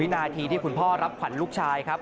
นาทีที่คุณพ่อรับขวัญลูกชายครับ